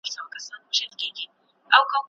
انارګل په خپل اوږد لرګي سره د خپل بخت لاره وټاکله.